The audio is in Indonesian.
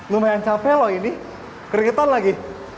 lumayan capek loh ini keringetan lagi